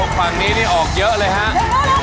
ฝั่งนี้นี่ออกเยอะเลยครับ